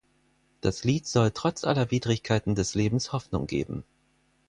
Das Lied soll trotz aller Widrigkeiten des Lebens Hoffnung geben.